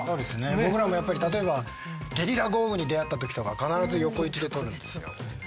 僕らも例えばゲリラ豪雨に出会ったときとか必ず横位置で撮るんですよ。